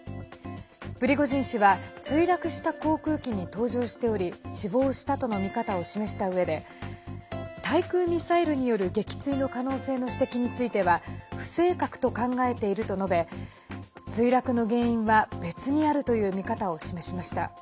プリゴジン氏は墜落した航空機に搭乗しており死亡したとの見方を示したうえで対空ミサイルによる撃墜の可能性の指摘については不正確と考えていると述べ墜落の原因は別にあるという見方を示しました。